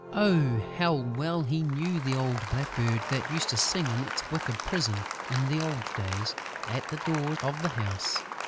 Oh, how well he knew the old blackbird that used to sing in its wicker prison, in the old days, at the door of the house!